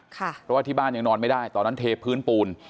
เพราะว่าที่บ้านยังนอนไม่ได้ตอนนั้นเทพื้นปูน